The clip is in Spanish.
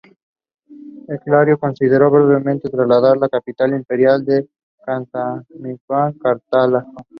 Heraclio consideró brevemente trasladar la capital imperial de Constantinopla a Cartago.